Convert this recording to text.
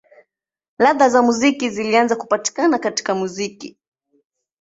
Ladha za muziki zilianza kupatikana katika muziki.